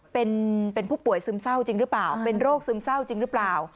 เป็นผู้ป่วยซึมเศร้าจริงหรือเปล่าเป็นโรคซึมเศร้าจริงหรือเปล่า